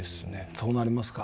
そうなりますか。